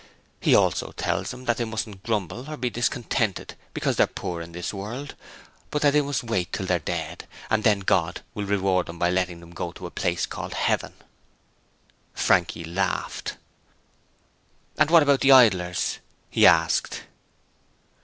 He also tells them that they mustn't grumble, or be discontented because they're poor in this world, but that they must wait till they're dead, and then God will reward them by letting them go to a place called Heaven.' Frankie laughed. 'And what about the Idlers?' he asked.